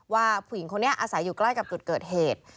ว่าผู้หญิงคนนี้อาศัยอยู่ใกล้กับจุดเกิดเหตุ